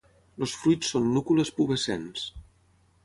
Els fruits són núcules pubescents.